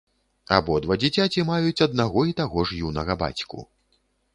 Абодва дзіцяці маюць аднаго і таго ж юнага бацьку.